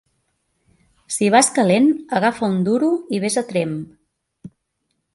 Si vas calent, agafa un duro i ves a Tremp.